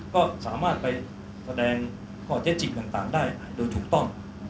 ก็สามารถไปแสดงข้อเท็จจริงต่างได้โดยถูกต้อง